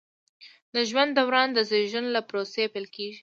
د ژوند دوران د زیږون له پروسې پیل کیږي.